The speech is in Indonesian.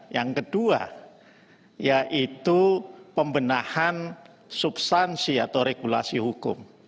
yang kedua yaitu pembenahan substansi atau regulasi hukum